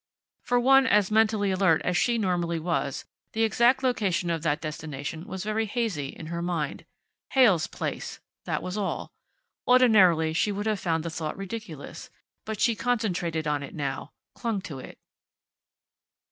For one as mentally alert as she normally was, the exact location of that destination was very hazy in her mind. Heyl's place. That was all. Ordinarily she would have found the thought ridiculous. But she concentrated on it now; clung to it.